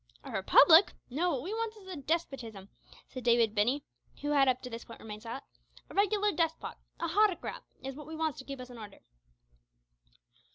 "A republic! No; what we wants is a despotism," said David Binney, who had up to this point remained silent, "a regular despot a howtocrat is what we wants to keep us in order."